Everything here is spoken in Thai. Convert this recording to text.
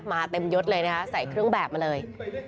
มาเต็มยดเลยนะคะใส่เครื่องแบบมาเลย